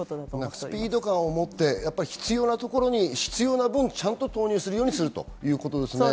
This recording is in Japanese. スピード感をもって必要なところに必要な分、ちゃんと行くようにするということですね。